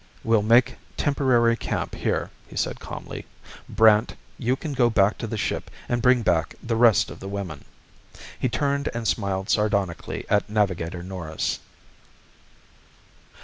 "We'll make temporary camp here," he said calmly. "Brandt, you can go back to the ship and bring back the rest of the women." He turned and smiled sardonically at Navigator Norris.